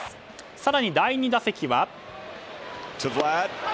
更に第２打席は。